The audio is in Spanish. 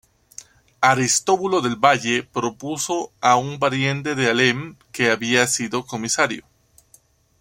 Aristóbulo del Valle propuso a un pariente de Alem, que había sido comisario.